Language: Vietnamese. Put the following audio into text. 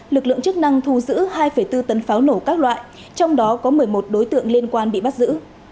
lực lượng chức năng thu giữ hai bốn tấn pháo nổ các loại trong đó có một mươi một đối tượng liên quan bị bắt giữ